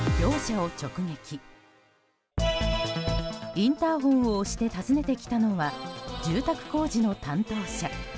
インターホンを押して訪ねてきたのは住宅工事の担当者。